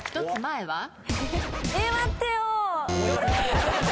１つ前は？